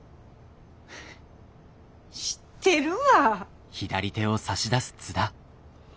知ってるわ。